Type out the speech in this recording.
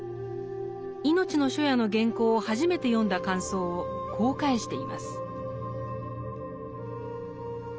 「いのちの初夜」の原稿を初めて読んだ感想をこう返しています。